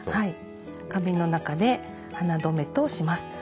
花瓶の中で花留めとします。